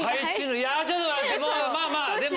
ちょっと待ってまあまあでも。